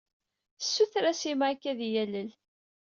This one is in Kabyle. Ssutreɣ-as i Mike ad iyi-yalel.